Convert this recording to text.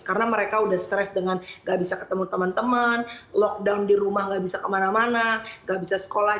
karena mereka udah stress dengan nggak bisa ketemu teman teman lockdown di rumah nggak bisa kemana mana nggak bisa sekolah